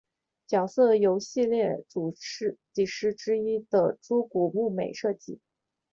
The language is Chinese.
角色由系列主设计师之一的猪股睦美设计。